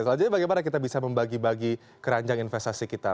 selanjutnya bagaimana kita bisa membagi bagi keranjang investasi kita